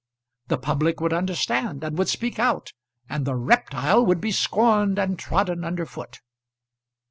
The public would understand and would speak out, and the reptile would be scorned and trodden under foot.